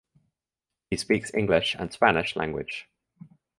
He speaks English and Spanish language.